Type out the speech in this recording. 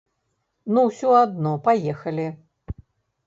Ну ўсё адно паехалі.